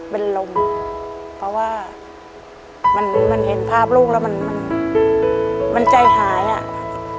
เป็นลมเพราะว่ามันเห็นภาพลูกแล้วมันใจหายอ่ะ